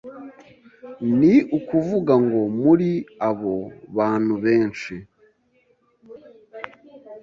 ni ukuvuga ngo muri abo bantu benshi,